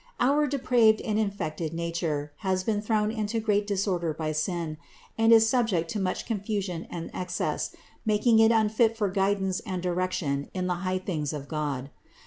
Our depraved and infected nature has been thrown into great disorder by sin, and is subject to much confusion and excess, making it unfit for guid ance and direction in the high things of God.